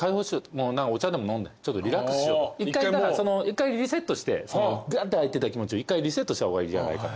一回リセットしてガーって入ってた気持ちを一回リセットした方がいいんじゃないか。